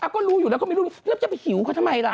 ก็รู้อยู่แล้วก็ไม่รู้แล้วจะไปหิวเขาทำไมล่ะ